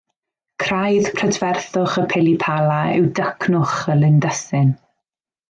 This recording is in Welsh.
Craidd prydferthwch y pili-pala yw dycnwch y lindysyn